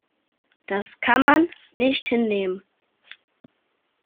Das kann man nicht hinnehmen.